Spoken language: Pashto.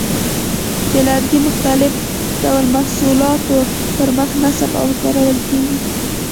د لرګي مختلف ډول محصولاتو پر مخ نصب او کارول کېږي.